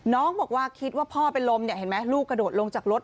น้องบอกว่าคิดว่าพ่อเป็นลมลูกกระโดดลงจากรถ